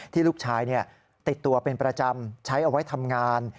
ลูกชายติดตัวเป็นประจำใช้เอาไว้ทำงาน